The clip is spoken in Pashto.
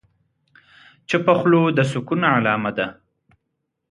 چپه خوله، د سکون علامه ده.